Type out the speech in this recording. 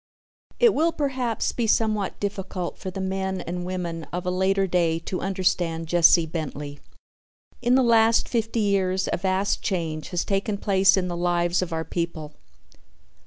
It will perhaps be somewhat difficult for the men and women of a later day to understand Jesse Bentley. In the last fifty years a vast change has taken place in the lives of our people.